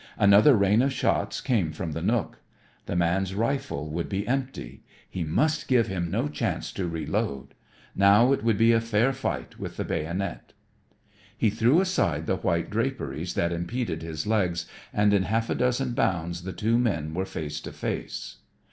Another rain of shots came from the nook; the man's rifle would be empty, he must give him no chance to reload. Now it would be a fair fight with the bayonet. He threw aside the white draperies that impeded his legs and in half a dozen bounds the two men were face to face.